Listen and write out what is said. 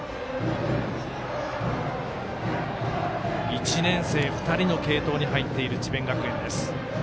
１年生２人の継投に入っている智弁学園です。